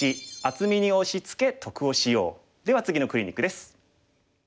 では次のクリニックです。